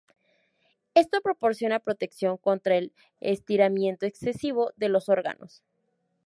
Esto proporciona protección contra el estiramiento excesivo de los órganos.